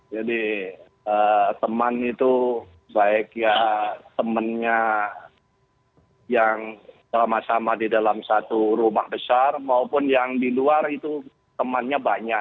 jadi teman itu baik ya temannya yang sama sama di dalam satu rumah besar maupun yang di luar itu temannya banyak